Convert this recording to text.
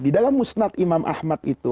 di dalam musnat imam ahmad itu